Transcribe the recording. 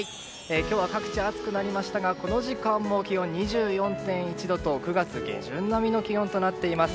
今日は各地、暑くなりましたがこの時間も気温が２４．１度と９月下旬並みの気温となっています。